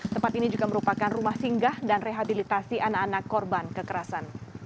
tempat ini juga merupakan rumah singgah dan rehabilitasi anak anak korban kekerasan